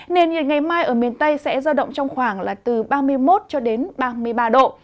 nền nhiệt ngày mai ở miền tây sẽ giao động trong khoảng là từ ba mươi một cho đến ba mươi ba độ